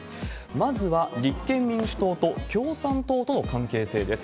まずは立憲民主党と共産党との関係性です。